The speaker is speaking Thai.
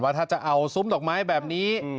ถ้าจะเอาซุ้มดอกไม้แบบนี้